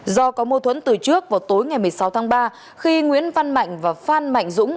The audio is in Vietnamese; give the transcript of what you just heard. do có mâu thuẫn từ trước vào tối ngày một mươi sáu tháng ba khi nguyễn văn mạnh và phan mạnh dũng